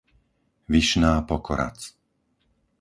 Vyšná Pokoradz